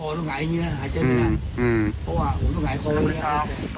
ต้องเงยคออย่างนี้นะฮะหายใจไม่ค่อย